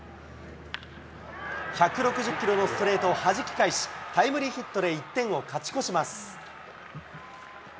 １６０キロのストレートをはじき返し、タイムリーヒットで１点を勝ち越します。